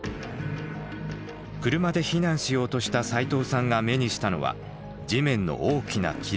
車で避難しようとした齋藤さんが目にしたのは地面の大きな亀裂。